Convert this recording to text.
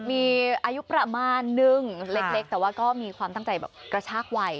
มีอายุประมาณนึงเล็กแต่ว่าก็มีความตั้งใจแบบกระชากวัย